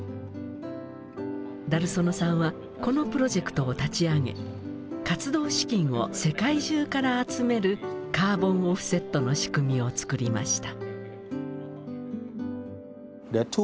ダルソノさんはこのプロジェクトを立ち上げ活動資金を世界中から集めるカーボンオフセットの仕組みをつくりました。